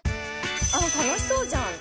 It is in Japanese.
［あっ楽しそうじゃん。